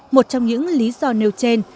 một trong những lý do nêu trên